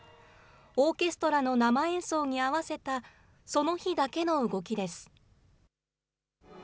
オーケストラの生演奏に合わせたその日だけの動きです。